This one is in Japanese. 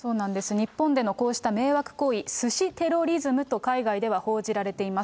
日本でのこうした迷惑行為、スシ・テロリズムと海外では報じられています。